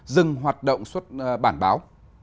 dừng hoạt động suốt bản báo